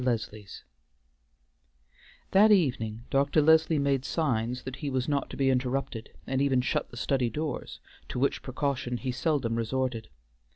LESLIE'S That evening Dr. Leslie made signs that he was not to be interrupted, and even shut the study doors, to which precaution he seldom resorted.